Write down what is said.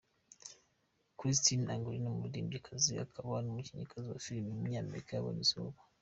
Christina Aguilera, umuririmbyikazi akaba n’umukinnyikazi wa filime w’umunyamerika yabonye izuba.